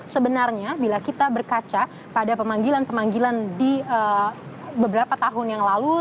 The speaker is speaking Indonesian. sebenarnya bila kita berkaca pada pemanggilan pemanggilan di beberapa tahun yang lalu